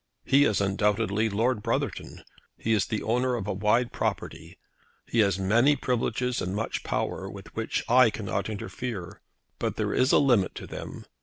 He is undoubtedly Lord Brotherton. He is the owner of a wide property. He has many privileges and much power, with which I cannot interfere. But there is a limit to them.